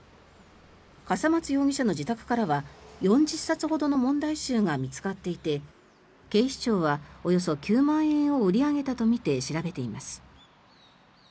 笠松容疑者の自宅からは４０冊ほどの問題集が見つかっていて警察はおよそ９万円を売り上げたとみて調べています。